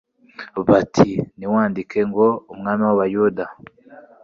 bati: " Ntiwandike ngo: Umwami w'Abayuda,